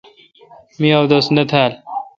می اودس نہ تھال۔